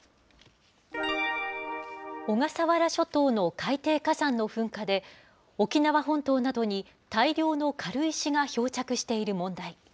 小笠原諸島の海底火山の噴火で、沖縄本島などに大量の軽石が漂着している問題。